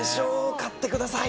買ってください！